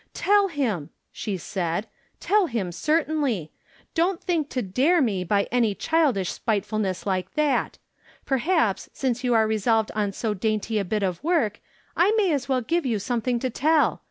" Tell him," she said ;" tell him, certainly. Don't think to dare me by any childish spiteful ness like that. Perhaps, since you are resolved on so dainty a bit of work, I may as well give you something to tell.